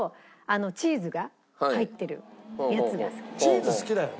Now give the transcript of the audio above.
チーズ好きだよね。